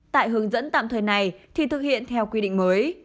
tại hướng dẫn tạm thời này thì thực hiện theo quy định mới